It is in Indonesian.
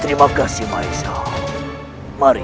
terima kasih mahesa mari